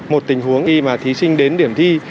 một tình huống y mà thí sinh đến điểm thi